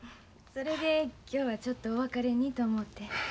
それで今日はちょっとお別れにと思て。